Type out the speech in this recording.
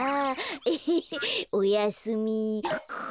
エヘヘおやすみ。